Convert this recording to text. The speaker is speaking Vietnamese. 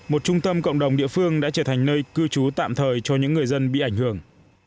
một trung tâm cộng đồng địa phương đã trở thành nơi cư trú tạm thời cho những người dân bị ảnh hưởng